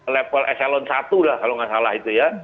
level eselon i lah kalau nggak salah itu ya